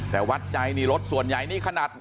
แต่วัดใจนี่รถส่วนใหญ่นี่ขนาด